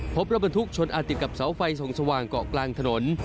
พบรถบรรทุกชนอาติดกับเสาไฟส่องสว่างเกาะกลางถนน